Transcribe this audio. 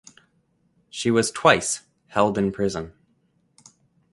She was twice held in prison.